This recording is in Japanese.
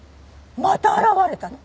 また現れたの。